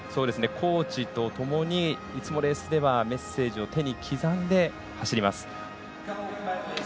コーチとともにいつもレースではメッセージを手に刻んで走ります。